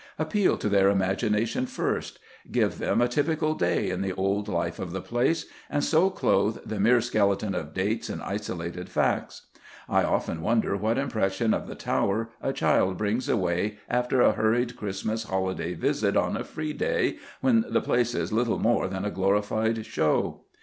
Appeal to their imagination first; give them a typical day in the old life of the place, and so clothe the mere skeleton of dates and isolated facts. I often wonder what impression of the Tower a child brings away after a hurried Christmas holiday visit on a "free day" when the place is little more than a glorified show.